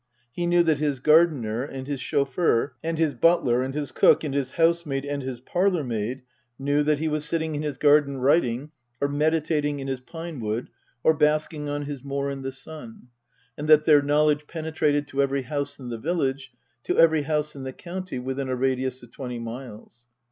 He knew that his gardener and his chauffeur and his butler and his cook and his housemaid and his parlourmaid knew that 216 Tasker Jevons he was sitting in his garden writing, or meditating in his pinewood or basking on his moor in the sun, and that their knowledge penetrated to every house in the village, to every house in the county within a radius of twenty miles.